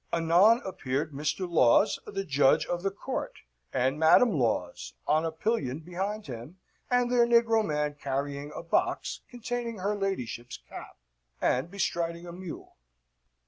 Anon appeared Mr. Laws, the judge of the court, with Madam Laws on a pillion behind him, and their negro man carrying a box containing her ladyship's cap, and bestriding a mule.